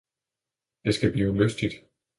Det skal blive lystigt!